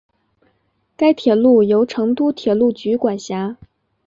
该铁路由成都铁路局管辖。